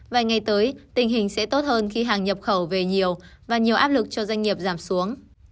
vài ngày tới tình hình sẽ tốt hơn khi hàng nhập khẩu về nhiều và nhiều áp lực cho doanh nghiệp giảm xuống